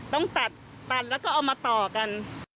ต้องตัดตัดแล้วก็เอามาต่อกัน